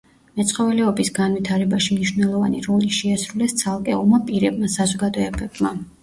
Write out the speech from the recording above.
მეცხოველეობის განვითარებაში მნიშვნელოვანი როლი შეასრულეს ცალკეულმა პირებმა, საზოგადოებებმა.